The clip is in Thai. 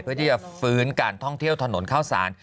เพื่อที่จะฟื้นการท่องเที่ยวถนนข้าวสาร